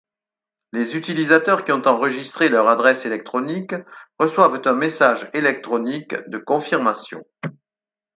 Les utilisateurs qui ont enregistré leur adresse électronique reçoivent un message électronique de confirmation.